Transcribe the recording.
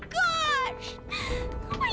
tidak saya mau